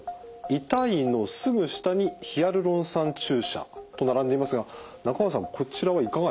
「痛い」のすぐ下に「ヒアルロン酸注射」と並んでいますが中川さんこちらはいかがでしょう？